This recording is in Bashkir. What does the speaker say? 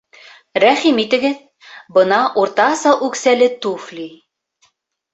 Рәхим итегеҙ, бына уртаса үксәле туфли